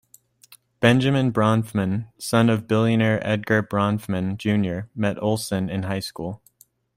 Benjamin Bronfman, son of billionaire Edgar Bronfman Junior met Olsen in high school.